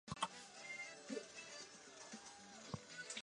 此祠收纳死于海难与战火的琉球人等外国籍遗骸。